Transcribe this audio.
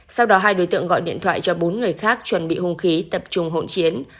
sau đó hai đối tượng gọi điện thoại cho bốn người khác chuẩn bị hung khí tập trung hỗn chiến